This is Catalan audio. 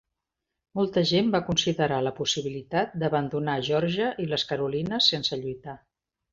Molta gent va considerar la possibilitat d'abandonar Georgia i les Carolinas sense lluitar.